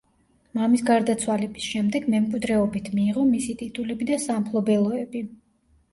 მამის გარდაცვალების შემდეგ მემკვიდრეობით მიიღო მისი ტიტულები და სამფლობელოები.